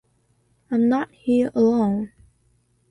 I'm not here alone.